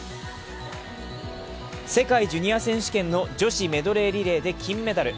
世界ジュニア選手権の女子メドレーリレーで金メダル。